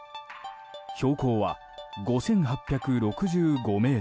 標高は５８６５ｍ。